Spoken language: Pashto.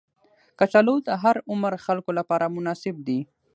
کچالو د هر عمر خلکو لپاره مناسب دي